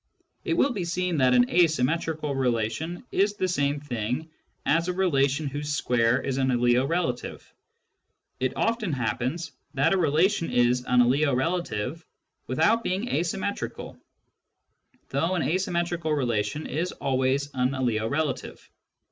It will be seen that an asymmetrical relation is the same thing as a relation whose square is an aliorelative. It often happens that a relation is an aliorelative without being asymmetrical, though an asymmetrical relation is always an aliorelative.